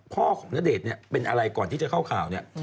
พ่อของณเดชน์เนี่ยเป็นอะไรก่อนที่จะเข้าข่าวเนี่ย